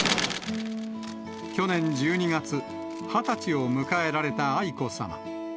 去年１２月、２０歳を迎えられた愛子さま。